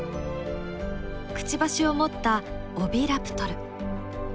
くちばしを持ったオヴィラプトル。